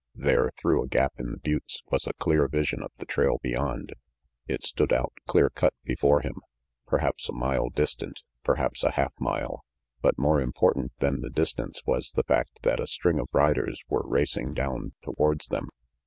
There, through a gap in the buttes, was a clear vision of the trail beyond. It stood out clear cut before him, perhaps a mile distant, perhaps a half mile. But more important than the distance was the fact that a string of riders were racing down towards them.